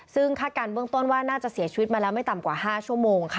ซึ่งคาดการณ์เบื้องต้นว่าน่าจะเสียชีวิตมาแล้วไม่ต่ำกว่า๕ชั่วโมงค่ะ